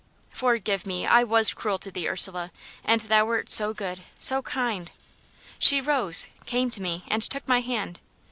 Forgive me! I was cruel to thee, Ursula; and thou wert so good so kind! She rose, came to me, and took my hand.